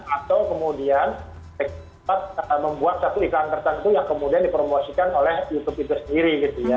atau kemudian membuat satu iklan tertentu yang kemudian dipromosikan oleh youtube itu sendiri gitu ya